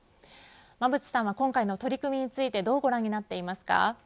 馬渕さんは今回の取り組みについてどうご覧になっていますか。